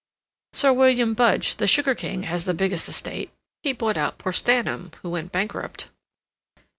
"Sir William Budge, the sugar king, has the biggest estate. He bought out poor Stanham, who went bankrupt."